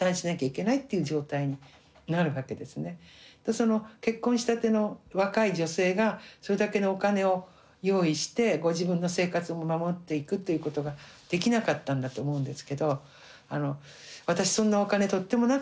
その結婚したての若い女性がそれだけのお金を用意してご自分の生活も守っていくっていうことができなかったんだと思うんですけど。